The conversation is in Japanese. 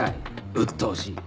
うっとうしい。